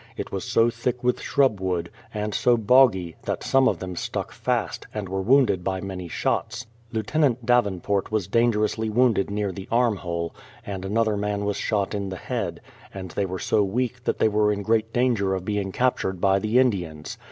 It was so thick with shrubwood, and so boggy, that some of them stuck fast, and were wounded by many shots. Lieutenant Davenport was dangerously wounded near the armhole, and another man was shot in the head, and they were so weak that they were in great danger of being captured by the Indians.